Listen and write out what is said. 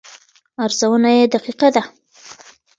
ارزونه یې دقیقه ده.